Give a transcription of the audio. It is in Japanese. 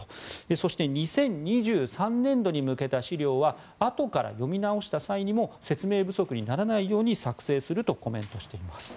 そして、２０２３年度に向けた資料はあとから読み直した際にも説明不足にならないように作成するとコメントしています。